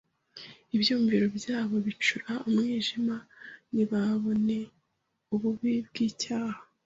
Ibyumviro byabo bicura umwijima, ntibabone ububi bw’icyaha